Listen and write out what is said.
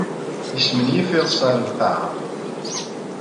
Yesmenyif iḍes ar lqaɛa.